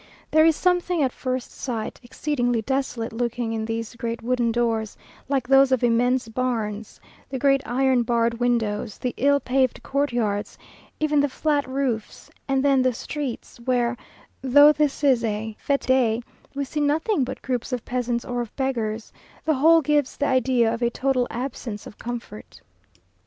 There is something at first sight exceedingly desolate looking in these great wooden doors, like those of immense barns, the great iron barred windows, the ill paved courtyards, even the flat roofs; and then the streets, where, though this is a fête day, we see nothing but groups of peasants or of beggars the whole gives the idea of a total absence of comfort.